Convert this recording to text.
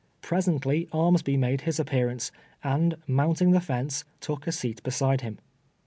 Pres ently Armsby made his appearance, and, mounting the fence, took a seat beside him.